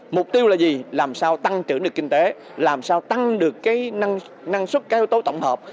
mục tiêu là gì làm sao tăng trưởng được kinh tế làm sao tăng được năng suất các yếu tố tổng hợp